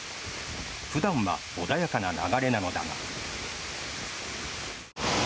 普段は穏やかな流れなのだが。